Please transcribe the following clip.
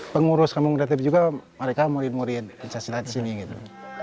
pengurus kampung kreatif juga mereka murid murid pencaksilat di sini gitu